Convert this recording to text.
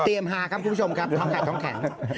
ฮาครับคุณผู้ชมครับท้องแขกท้องแข็ง